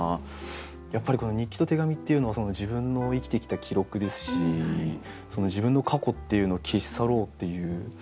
やっぱりこの「日記と手紙」っていうのは自分の生きてきた記録ですし自分の過去っていうのを消し去ろうっていう。